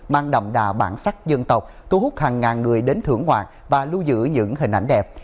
mang đậm đà bản sắc dân tộc thu hút hàng ngàn người đến thưởng ngoạn và lưu giữ những hình ảnh đẹp